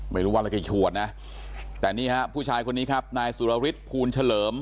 ไม่รู้ว่าอะไรแกชวนนะแต่นี่ฮะผู้ชายคนนี้ครับนายสุรฤทธิภูลเฉลิม